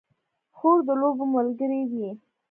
خور د لوبو ملګرې وي.